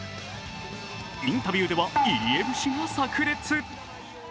インタビューでは入江節がさく裂。